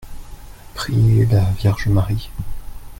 prier la Vierge Marie.